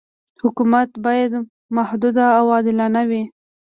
حکومت باید محدود او عادلانه وي.